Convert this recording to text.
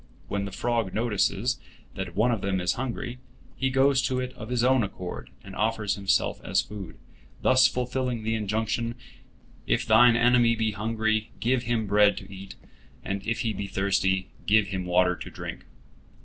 When the frog notices that one of them is hungry, he goes to it of his own accord, and offers himself as food, thus fulfilling the injunction, "If thine enemy be hungry, give him bread to eat; and if he be thirsty, give him water to drink."